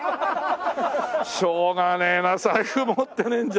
しょうがねえな財布持ってねえんじゃ。